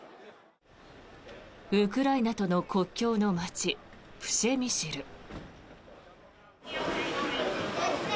ウクライナとの国境の街プシェミシル。